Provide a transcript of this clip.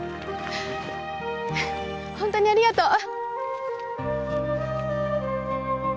本当にありがとう！